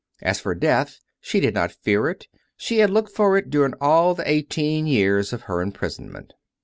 As for death, she did not fear it; she had looked for it during all the eighteen years of her imprisonment.